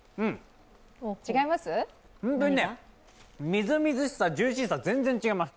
ホントにみずみずしさジューシーさ、全然違います。